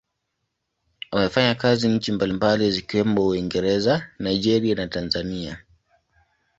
Amefanya kazi nchi mbalimbali zikiwemo Uingereza, Nigeria na Tanzania.